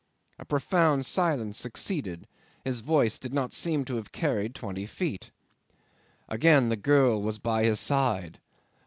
A profound silence succeeded: his voice did not seem to have carried twenty feet. Again the girl was by his side.